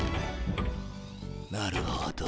なるほど。